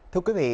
thưa quý vị